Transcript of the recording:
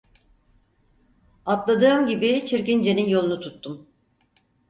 Atladığım gibi Çirkince'nin yolunu tuttum.